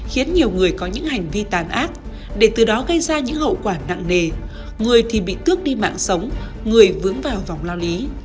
khi tàn ác để từ đó gây ra những hậu quả nặng nề người thì bị tước đi mạng sống người vướng vào vòng lao lý